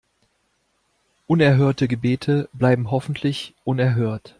Unerhörte Gebete bleiben hoffentlich unerhört.